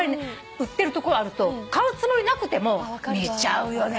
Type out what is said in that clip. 売ってるところあると買うつもりなくても見ちゃうよね。